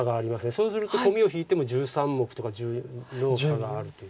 そうするとコミを引いても１３目とか１２目差があるという。